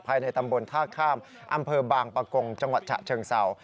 ภายในตำบลท่าข้ามอำเภอบางปะกงจังหวัดฉะเชิงเศร้า